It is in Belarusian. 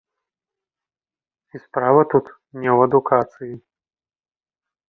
І справа тут не ў адукацыі.